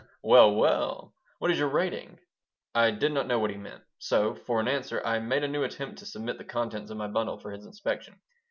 "Well, well! What is your rating?" I did not know what he meant. So, for an answer, I made a new attempt to submit the contents of my bundle for his inspection.